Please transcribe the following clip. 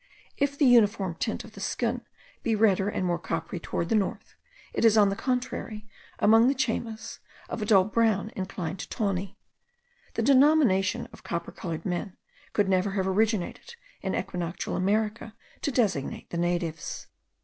If the uniform tint of the skin be redder and more coppery towards the north, it is, on the contrary, among the Chaymas, of a dull brown inclining to tawny. The denomination of copper coloured men could never have originated in equinoctial America to designate the natives.